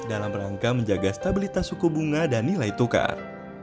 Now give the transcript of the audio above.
dalam rangka menjaga stabilitas suku bunga dan nilai tukar